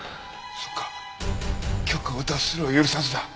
そっか「局を脱するを許さず」だ。